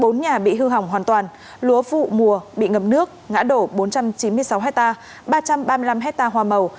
bốn nhà bị hư hỏng hoàn toàn lúa vụ mùa bị ngập nước ngã đổ bốn trăm chín mươi sáu hectare ba trăm ba mươi năm hectare hoa màu